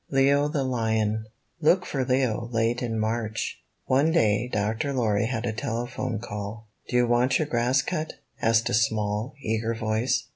LEO, THE LION Look for Leo late in March One day Dr. Lorry had a telephone call. ''Do you want your grass cut?" asked a small, eager voice.